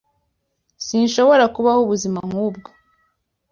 Sinshobora kubaho ubuzima nk'ubwo.